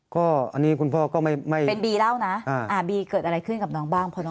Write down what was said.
ก็พาน้องไปอ่า